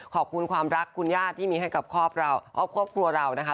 ขอบคุณความรักคุณย่าที่มีให้กับครอบครัวเรานะคะ